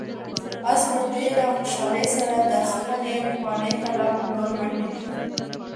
آس په ډېرې خوشحالۍ سره د خپلې پخوانۍ کلا په لور منډه کړه.